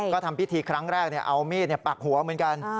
ก็ทำพิธีครั้งแรกเนี่ยเอามีดเนี่ยปักหัวเหมือนกัน